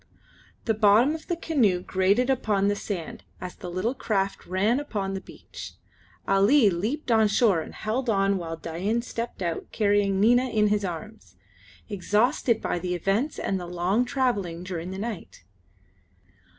The bottom of the canoe grated upon the sand as the little craft ran upon the beach. Ali leaped on shore and held on while Dain stepped out carrying Nina in his arms, exhausted by the events and the long travelling during the night.